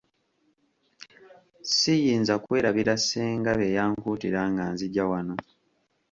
Ssiyinza kwerabira ssenga bye yankuutira nga nzijja wano.